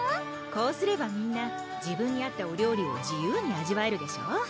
こうすればみんな自分に合ったお料理を自由に味わえるでしょ